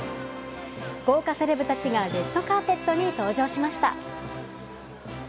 豪華セレブたちがレッドカーペットに登場しました。